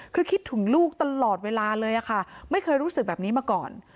คือคิดถึงลูกตลอดเวลาเลยค่ะไม่เคยรู้สึกแบบนี้มาก่อน